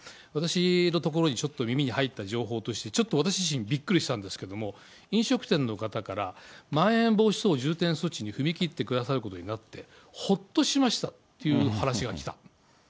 私のところに、ちょっと耳に入った情報として、ちょっと私自身びっくりしたんですけれども、飲食店の方から、まん延防止等重点措置に踏み切ってくださることになって、ほっとしましたっていう話が来た。